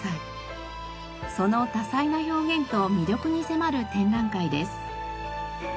その多彩な表現と魅力に迫る展覧会です。